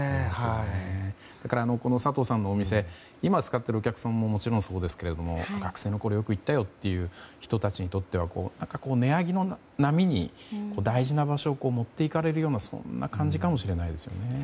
だからこの佐藤さんのお店今使っているお客さんももちろんそうですが学生のころ、よく行ったよという人たちにとっては値上げの波に大事な場所を持っていかれるようなそんな感じかもしれないですね。